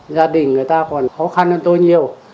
gia đình người ta còn khó khăn hơn tôi nhiều